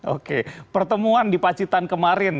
oke pertemuan di pacitan kemarin